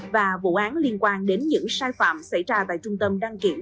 và vụ án liên quan đến những sai phạm xảy ra tại trung tâm đăng kiểm